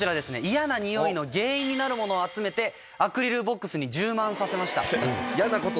嫌なにおいの原因になるものを集めてアクリルボックスに充満させました。